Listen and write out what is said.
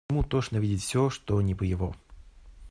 Ему тошно видеть всё, что не по его.